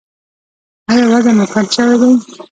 ایا وزن مو کم شوی دی؟